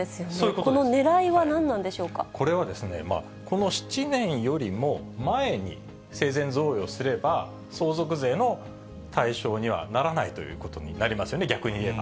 このねらいは何なんでしょうこれはですね、この７年よりも前に生前贈与をすれば、相続税の対象にはならないということになりますよね、逆に言えば。